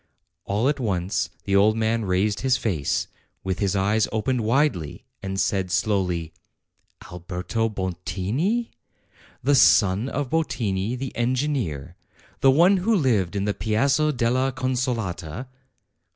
All at once the old man raised his face, with his eyes opened widely, and said slowly : "Alberto Bottini ? the son of Bottini, the engineer? the one who lived in the Piazza della Consolata?"